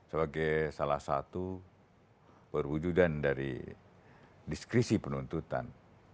sebagai salah satu perwujudan dari diskrisi penuntutan